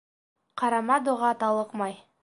Ҡарама дуға талыҡмай.